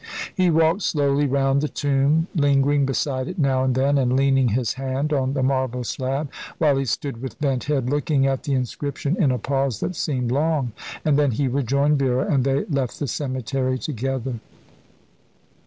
He walked slowly round the tomb, lingering beside it now and then, and leaning his hand on the marble slab while he stood with bent head looking at the inscription, in a pause that seemed long; and then he rejoined Vera, and they left the cemetery together.